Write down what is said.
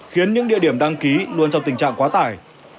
khiến những địa điểm đăng ký luôn trong tình trạng quá tải